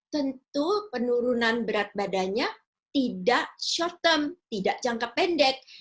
tentu penurunan berat badannya tidak short term tidak jangka pendek